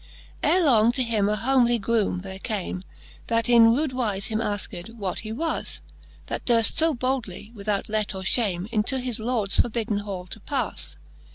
Ere long to him a homely groome there came, That in rude wife him afked, what he was, That durft fo boldly, without let or fhame, Into his Lords forbidden hall to palle.